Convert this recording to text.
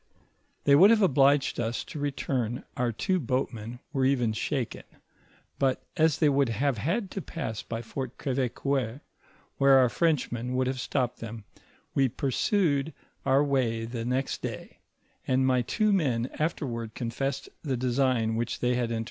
They would have obliged us to return, our two boatmen were even shaken, but as they would have had to pass by Fort Gr^vecoeur, where our Frenchmen would have stopped them, we pursued our way the next day, and my two men afterward confessed the design which they had entortained.